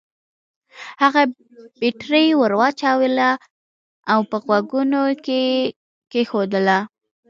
هغه بېټرۍ ور واچولې او په غوږو کې يې کېښوده.